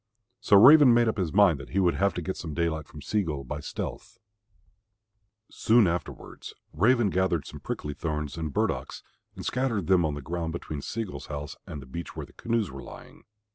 So Raven made up his mind that he would have to get some daylight from Sea gull by stealth. Soon afterwards Raven gathered some prickly thorns and burdocks and scattered them on the ground between Sea gull's house and the beach where the canoes were lying.